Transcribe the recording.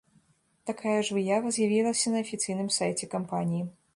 Такая ж выява з'явілася на афіцыйным сайце кампаніі.